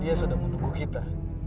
dia sudah menunggu kita